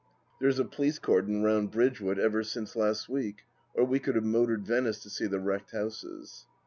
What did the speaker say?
There is a police cordon round Bridgewood ever 214 THE LAST DITCH 215 since last week, or we could have motored Venice to see the wrecked houses.